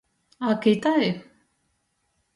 Ak itai!